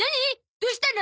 どうしたの！？